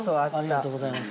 ◆ありがとうございます。